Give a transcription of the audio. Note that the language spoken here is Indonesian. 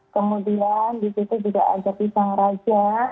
kemudian disitu juga ada pisang raja